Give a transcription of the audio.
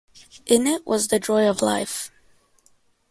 In it was the joy of life.